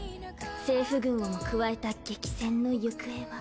政府軍をも加えた激戦の行方は。